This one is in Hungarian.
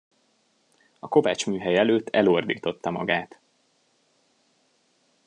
A kovácsműhely előtt elordította magát.